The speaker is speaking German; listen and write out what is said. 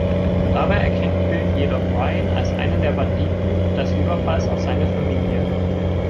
Dabei erkennt Bill jedoch Ryan als einen der Banditen des Überfalls auf seine Familie.